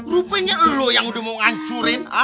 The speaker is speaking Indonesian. rupanya lu yang udah mau ngancurin